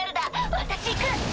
私行く。